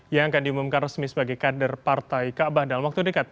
yang akan diumumkan resmi sebagai kader partai kaabah dalam waktu dekat